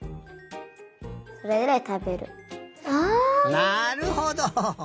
なるほど。